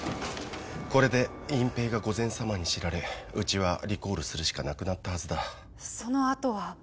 これで隠蔽が御前様に知られうちはリコールするしかなくなったはずだそのあとは？